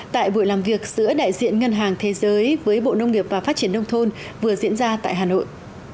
tại buổi làm việc giữa đại diện ngân hàng thế giới với bộ nông nghiệp và phát triển nông thôn vừa diễn ra tại hà nội